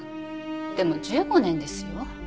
でも１５年ですよ。